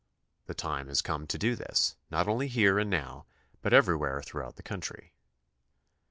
The time has come to do this, not only here and now, but everywhere throughout the country.